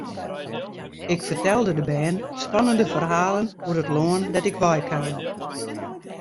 Ik fertelde de bern spannende ferhalen oer it lân dêr't ik wei kaam.